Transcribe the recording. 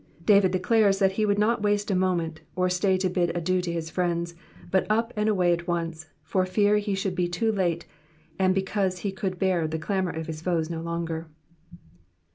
David declares that he would not waste a moment, or stay to bid adieu to his friends, but up and away at once, for fear he should be too late, and because he could bear the clamour of his foes no longer.